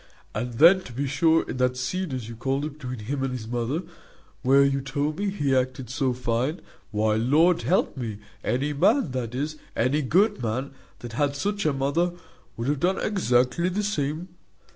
And then, to be sure, in that scene, as you called it, between him and his mother, where you told me he acted so fine, why, Lord help me, any man, that is, any good man, that had such a mother, would have done exactly the same.